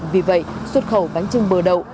vì vậy xuất khẩu bánh trưng bờ đậu